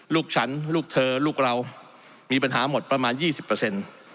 ลูกฉันลูกเธอลูกเรามีปัญหาหมดประมาณยี่สิบเปอร์เซ็นต์